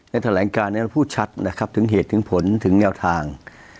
ในถแหล่งการเราพูดชัดถึงเหตุึงผลถึงแนวทาง